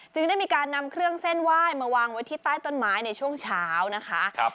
ได้มีการนำเครื่องเส้นไหว้มาวางไว้ที่ใต้ต้นไม้ในช่วงเช้านะคะ